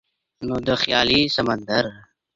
نو د خیالي سمندر